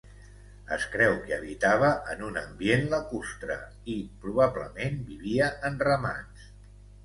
Es creu que habitava en un ambient lacustre i, probablement, vivia en ramats.